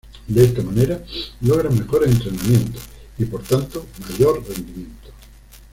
De esta manera logran mejores entrenamientos, y por tanto, mayor rendimiento.